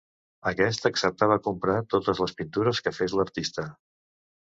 Aquest acceptava comprar totes les pintures que fes l'artista.